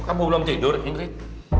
kamu belum tidur dengan rit